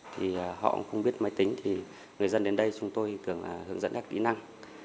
thì họ cũng không biết máy tính thì người dân đến đây chúng tôi thường hướng dẫn các kỹ năng